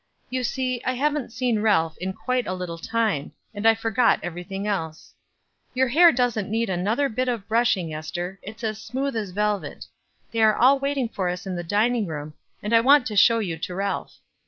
You see I haven't seen Ralph in quite a little time, and I forgot everything else. Your hair doesn't need another bit of brushing, Ester, it's as smooth as velvet; they are all waiting for us in the dining room, and I want to show you to Ralph."